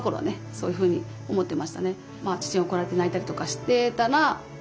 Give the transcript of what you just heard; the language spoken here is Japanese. そういうふうに思ってましたね。